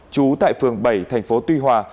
chú tại phường bảy thành phố tuy hòa